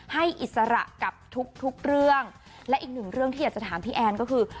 อิสระกับทุกทุกเรื่องและอีกหนึ่งเรื่องที่อยากจะถามพี่แอนก็คือ